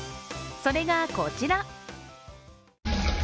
それが、こちら。